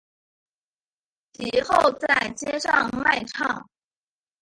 其后在街上卖唱。